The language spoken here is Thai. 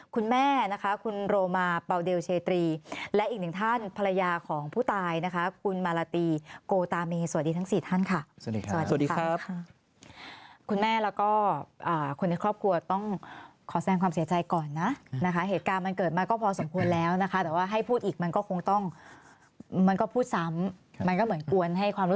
คุณแม่นะคะคุณโรมาเปล่าเดลเชตรีและอีกหนึ่งท่านภรรยาของผู้ตายนะคะคุณมาลาตีโกตาเมสวัสดีทั้งสี่ท่านค่ะสวัสดีครับสวัสดีครับคุณแม่แล้วก็คนในครอบครัวต้องขอแสดงความเสียใจก่อนนะนะคะเหตุการณ์มันเกิดมาก็พอสมควรแล้วนะคะแต่ว่าให้พูดอีกมันก็คงต้องมันก็พูดซ้ำมันก็เหมือนกวนให้ความรู้